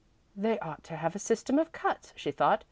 "They ought to have a system of cuts," she thought.